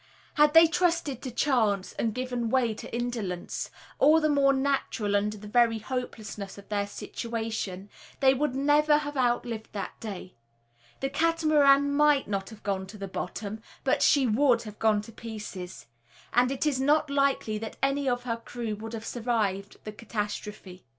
Had they trusted to chance and given way to indolence, all the more natural under the very hopelessness of their situation, they would never have outlived that day. The Catamaran might not have gone to the bottom, but she would have gone to pieces; and it is not likely that any of her crew would have survived the catastrophe.